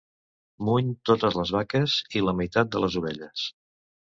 Muny totes les vaques i la meitat de les ovelles.